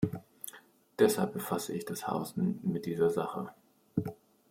Deshalb befasse ich das Haus mit dieser Sache.